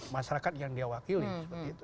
masyarakat yang dia wakili